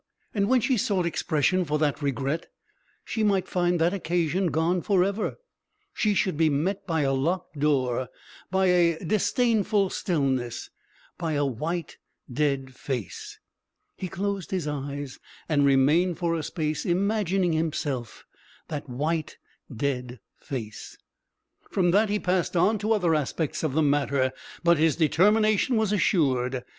And when she sought expression for that regret, she would find that occasion gone forever, she should be met by a locked door, by a disdainful stillness, by a white dead face. He closed his eyes and remained for a space imagining himself that white dead face. From that he passed to other aspects of the matter, but his determination was assured.